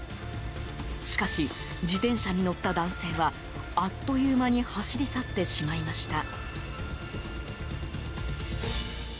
しかし、自転車に乗った男性はあっという間に走り去ってしまいました。